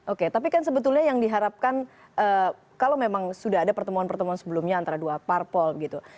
oke tapi kan sebetulnya yang diharapkan kalau memang sudah ada pertemuan pertemuan sebelumnya antara dua parpol gitu